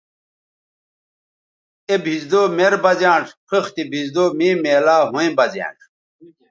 اے بھیزدو مر بہ زیانݜ خِختے بھیزدو مے میلاو ھویں بہ زیانݜ